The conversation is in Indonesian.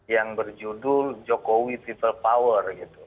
yang berjudul jokowi people power gitu